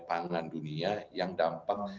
pangan dunia yang dampak